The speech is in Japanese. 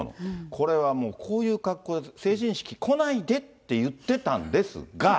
これはもう、こういう格好、成人式来ないでって言ってたんですが。